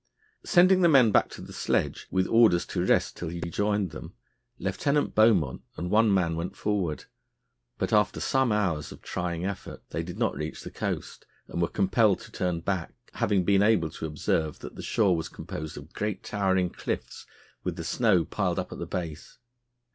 Sending the men back to the sledge with orders to rest till he rejoined them, Lieutenant Beaumont and one man went forward. But after some hours of trying effort they did not reach the coast, and were compelled to turn back, having been able to observe that the shore was composed of great towering cliffs with the snow piled up at the base.